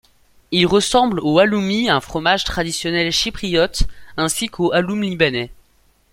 Il ressemble au Halloumi un fromage traditionnel chipriote, ainsi qu'au halloum Libanais.